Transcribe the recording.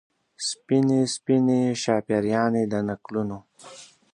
سپینې، سپینې شاپیريانې د نکلونو